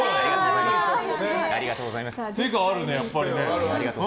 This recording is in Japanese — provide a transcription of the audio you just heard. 背があるね、やっぱり。